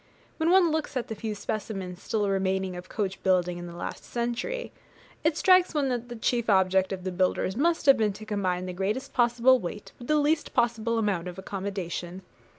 When one looks at the few specimens still remaining of coach building in the last century, it strikes one that the chief object of the builders must have been to combine the greatest possible weight with the least possible amount of accommodation.